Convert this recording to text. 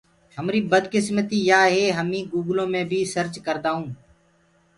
همريٚ بدڪسمتيٚ يآ هي هميٚنٚ گُوگلو مي بيٚ سرچ ڪردآئوٚنٚ۔